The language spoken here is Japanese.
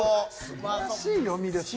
素晴らしい読みですね。